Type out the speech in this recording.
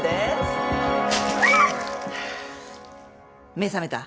目覚めた？